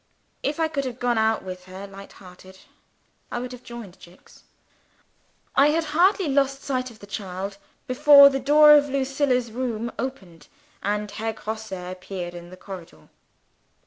If I could have gone out with her light heart, I would have joined Jicks. I had hardly lost sight of the child, before the door of Lucilla's room opened, and Herr Grosse appeared in the corridor.